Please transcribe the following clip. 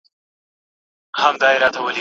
دا د پنځو زرو کلونو کمالونو کیسې